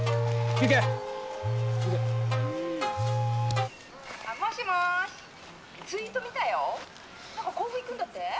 何か甲府行くんだって？」。